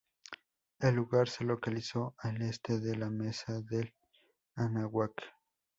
El lugar se localizó al Este de la mesa del Anáhuac.